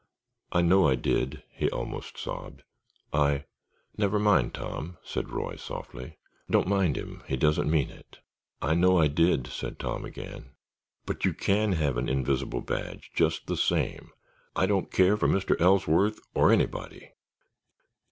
"I know I did," he almost sobbed. "I——" "Never mind, Tom," said Roy, softly. "Don't mind him. He doesn't mean it." "I know I did," Tom said again. "But you can have an invisible badge, just the same—I don't care for Mr. Ellsworth or anybody."